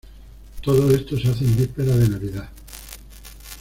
Todo esto se hace en vísperas de Navidad.